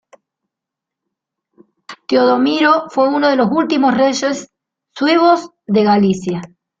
Teodomiro fue uno de los últimos reyes suevos de Galicia.